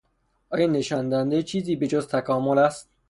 ایا این نشان دهنده چیزی به جز تکامل است؟